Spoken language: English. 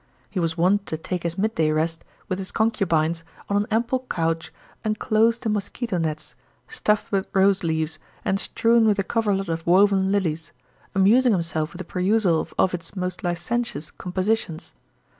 He was wont to take his midday rest, with his concubines, on an ample couch enclosed in mosquito nets, stuffed with rose leaves, and strewn with a coverlet of \\oven lilies, amusing himself with the perusal of Ovid's most licentious com posit ions.